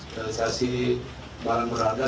spesialisasi barang berada